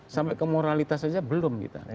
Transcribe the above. sampai ke moralitas saja belum kita